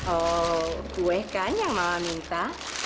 oh kue kan yang malah minta